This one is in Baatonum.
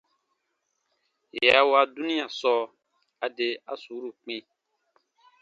Yè a wa dunia sɔɔ, a de a suuru kpĩ.